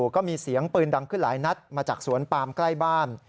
ก็มีเสียงปืนดังขึ้นหลายนัดมาจากสวนปามใกล้บ้าน